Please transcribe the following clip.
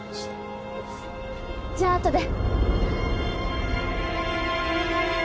じゃああとで。